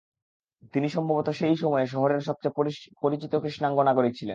তিনি সম্ভবত সেই সময়ে শহরের সবচেয়ে পরিচিত কৃষ্ণাঙ্গ নাগরিক ছিলেন।